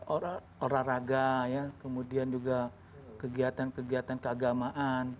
orang orang raga ya kemudian juga kegiatan kegiatan keagamaan